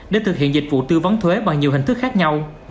để thực hiện dịch vụ tư vấn thuế bằng nhiều hình thức khác nhau